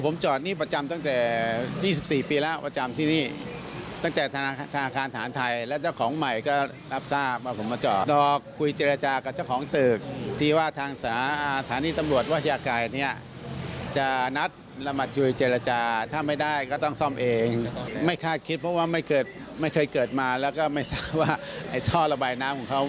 ไม่รู้ว่าไอ้ท่อระบายน้ำของเขาอุดตัน